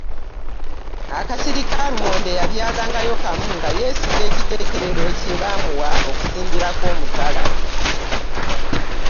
Akasiri ka lumonde yabyalangayo kamu nga yeesiga ekiteekerero kye baamuwa okusimbirako omutala.